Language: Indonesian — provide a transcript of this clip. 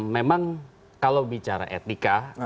memang kalau bicara etika